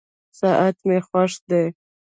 ساعت مي خوښ دی.